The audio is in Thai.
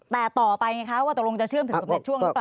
แต่ต่อไปไงคะว่าตกลงจะเชื่อมถึงสำเร็จช่วงหรือเปล่า